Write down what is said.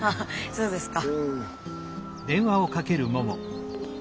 そうですか。